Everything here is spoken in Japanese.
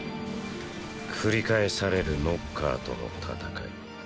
繰り返されるノッカーとの戦い。